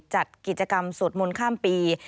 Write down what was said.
จัดกิจกรรมสวดมนต์ข้ามปี